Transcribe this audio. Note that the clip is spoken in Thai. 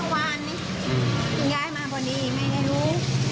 อ๋อมาดูก็คือรู้